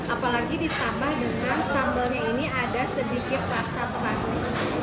apalagi ditambah dengan sambalnya ini ada sedikit rasa terasi